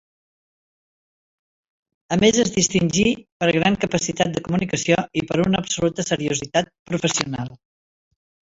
A més es distingí per gran capacitat de comunicació i per una absoluta seriositat professional.